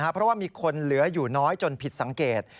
เพราะว่ามีคนเหลืออยู่น้อยจนผิดสังเกต